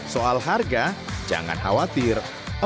soal harga jangan khawatir